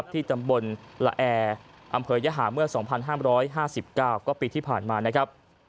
ที่ตำบลละแออำเภายหาเมื่อ๒๕๕๙ก็ปีที่ผ่านมา